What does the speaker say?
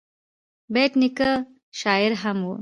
بېټ نیکه شاعر هم و.